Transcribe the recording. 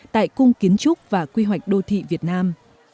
tại cung kiến trúc và quy hoạch đô thị việt nam